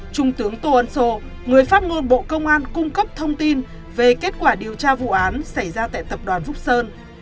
trung tướng tô ân sô người phát ngôn bộ công an cung cấp thông tin về kết quả điều tra vụ án xảy ra tại tập đoàn phúc sơn